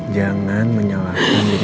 jangan menyalahkan diri mama sendiri